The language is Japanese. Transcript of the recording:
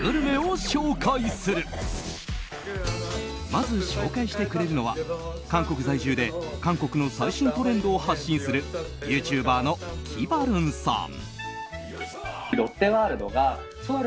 まず紹介してくれるのは韓国在住で韓国の最新トレンドを発信するユーチューバーのきばるんさん。